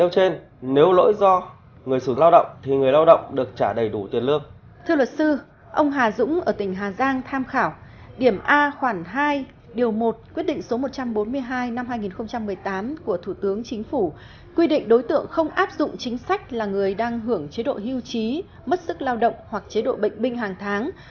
thưa luật sư ông hà dũng ở tỉnh hà giang tham khảo điểm a khoảng hai điều một quyết định số một trăm bốn mươi hai năm hai nghìn một mươi tám của thủ tướng chính phủ quy định đối tượng không áp dụng chính sách là người đang hưởng chế độ hưu trí mất sức lao động hoặc chế độ bệnh binh hàng tháng